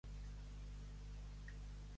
A Guils, pota-roigs.